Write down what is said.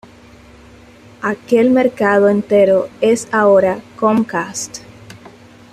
Aquel mercado entero es ahora Comcast.